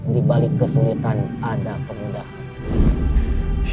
di balik kesulitan ada kemudahan